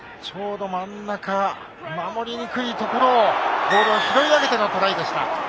真ん中、守りにくいところをボールを拾い上げてのトライでした。